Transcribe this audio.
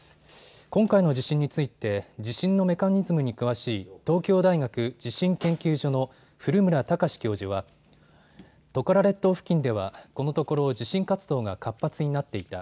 今回の地震について地震のメカニズムに詳しい東京大学地震研究所の古村孝志教授は、トカラ列島付近では、このところ地震活動が活発になっていた。